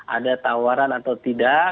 ada tawaran atau tidak